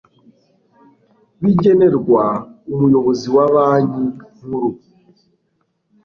bigenerwa Umuyobozi wa Banki Nkuru